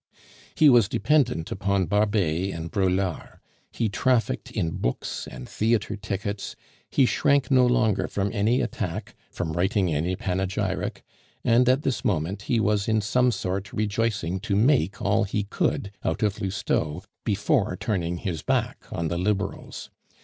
He was dependent upon Barbet and Braulard; he trafficked in books and theatre tickets; he shrank no longer from any attack, from writing any panegyric; and at this moment he was in some sort rejoicing to make all he could out of Lousteau before turning his back on the Liberals.